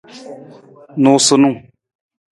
Nuusanung.